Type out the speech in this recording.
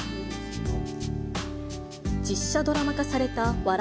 実写ドラマ化された笑